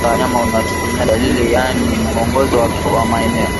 maeneo ya Magonjwa ya Wanyama unaotegemea Dalili yaani mwongozo kwa maeneo